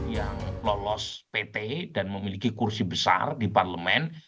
yang lolos pt dan memiliki kursi besar di parlemen